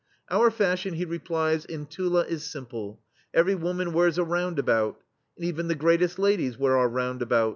"Our fashion," he replies, "in Tula is simple : every woman wears a round about,* and even the greatest ladies wear our roundabouts."